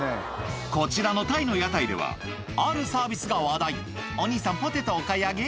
こちらのタイの屋台ではあるサービスが話題「お兄さんポテトお買い上げ？」